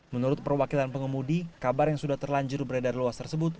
menurut perwakilan pengemudi kabar yang sudah terlanjur beredar luas tersebut